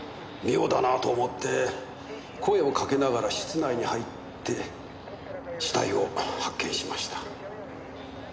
妙だなと思って声をかけながら室内に入って死体を発見しました。